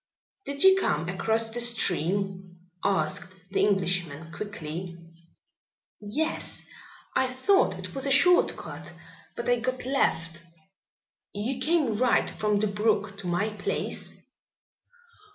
"Did you come across the stream?" asked the Englishman quickly. "Yes. I thought it was a short cut, but I got lost." "You came right from the brook to my place?"